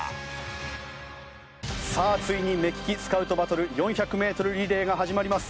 ついに目利きスカウトバトル４００メートルリレーが始まります。